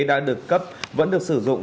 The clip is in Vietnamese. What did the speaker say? đã được cấp vẫn được sử dụng